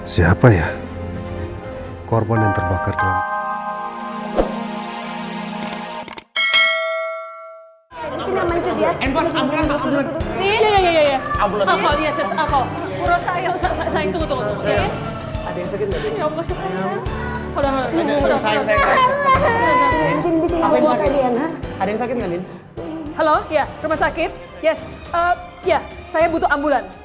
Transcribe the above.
siapa ya korban yang terbakar dalam